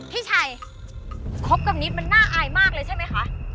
พี่ชัยคบกับนิดมันน่าอายมากเลยใช่ไหมคะ